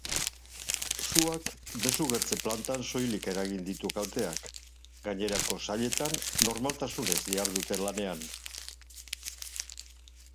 Suak desugertze plantan soilik eragin ditu kalteak, gainerako sailetan normaltasunez dihardute lanean.